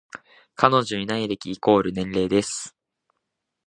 彼女いない歴イコール年齢です